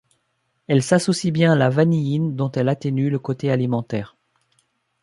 Elle s'associe bien à la vanilline dont elle atténue le côté alimentaire.